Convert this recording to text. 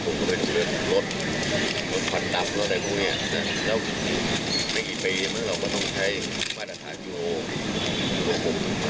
นี่นะครับทุกคนพอใช้จะตก